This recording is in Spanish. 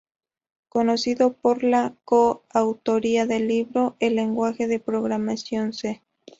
Conocido por la co-autoría del libro "El lenguaje de programación C".